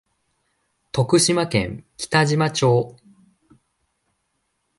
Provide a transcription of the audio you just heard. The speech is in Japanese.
徳島県北島町